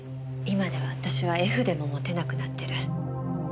今では私は絵筆も持てなくなってる。